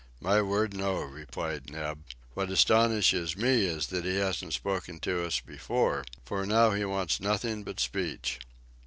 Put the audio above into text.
"My word, no," replied Neb. "What astonishes me is that he hasn't spoken to us before, for now he wants nothing but speech!"